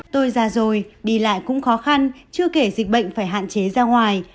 tôi già rồi đi lại cũng khó khăn chưa kể dịch bệnh phải hạn chế ra ngoài